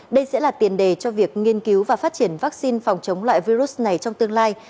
đây sẽ là tiền đề cho việc nghiên cứu và phát triển vaccine phòng chống loại virus này trong tương lai